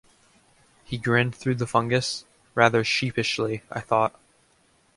He grinned through the fungus — rather sheepishly, I thought.